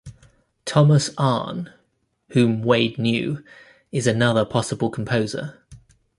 Thomas Arne, whom Wade knew, is another possible composer.